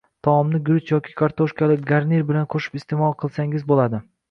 Taomni guruch yoki kartoshkali garnir bilan qo‘shib iste’mol qilsangiz bo‘ladi